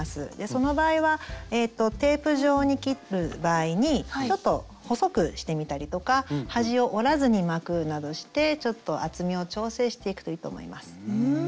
その場合はテープ状に切る場合にちょっと細くしてみたりとか端を折らずに巻くなどしてちょっと厚みを調整していくといいと思います。